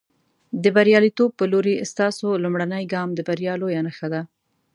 د برياليتوب په لورې، ستاسو لومړنی ګام د بریا لویه نښه ده.